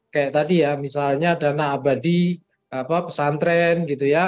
kayak tadi ya misalnya dana abadi pesantren gitu ya